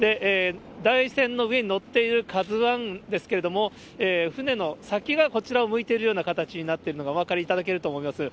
台船の上に載っているＫＡＺＵＩですけれども、船の先がこちらを向いているような形になっているのが、お分かりいただけると思います。